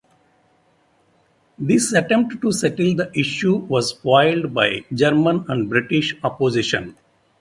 This attempt to settle the issue was foiled by German and British opposition.